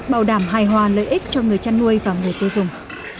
bảo đảm hài hòa lợi ích cho người chăn nuôi và người tiêu dùng